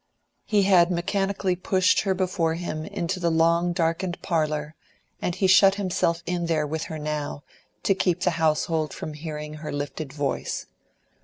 He had mechanically pushed her before him into the long, darkened parlour, and he shut himself in there with her now, to keep the household from hearing her lifted voice.